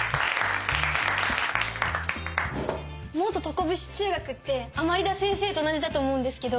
元常節中学って甘利田先生と同じだと思うんですけど。